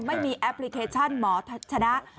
ไม่มีแอปพลิเคชั่นหมอชนะ